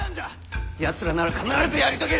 やつらなら必ずやり遂げる！